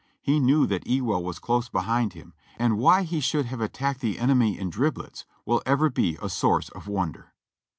He knew that Ewell was close behind him, and why he should have attacked the enemy in driblets will ever be a source of wonder.